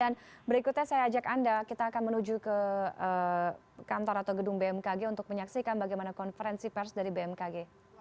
dan berikutnya saya ajak anda kita akan menuju ke kantor atau gedung bmkg untuk menyaksikan bagaimana konferensi pers dari bmkg